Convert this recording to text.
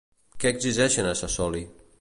Què exigeixen a Sassoli?